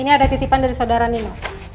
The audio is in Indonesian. ini ada titipan dari saudara nino